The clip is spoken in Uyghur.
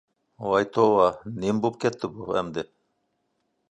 ۋاي توۋا، نېمە بولۇپ كەتتى بۇ ئەمدى.